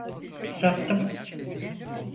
Sattım…